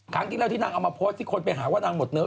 ครั้งที่แล้วที่นางเอามาโพสต์ที่คนไปหาว่านางหมดเนื้อ